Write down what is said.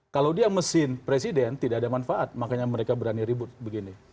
kalau dia mesin presiden tidak ada manfaat makanya mereka berani ribut begini